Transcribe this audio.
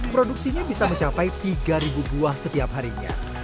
produksinya bisa mencapai tiga buah setiap harinya